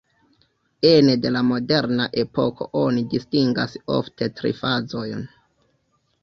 Ene de la moderna epoko oni distingas ofte tri fazojn.